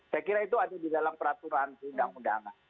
saya kira itu ada di dalam peraturan perundang undangan